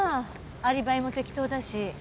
アリバイも適当だし。